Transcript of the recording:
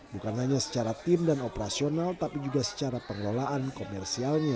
bukan hanya secara tim dan operasional tapi juga secara pengelolaan komersialnya